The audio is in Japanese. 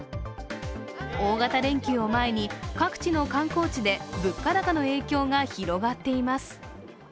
大型連休を前に、各地の観光地で物価高の影響が広がっています。